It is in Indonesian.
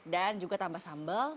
dan juga tambah sambal